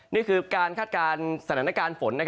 นี่คือการคาดการณ์สถานการณ์ฝน